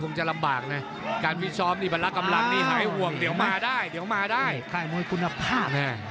หลุงจังชมชกนามเงินได้เปรียบครับ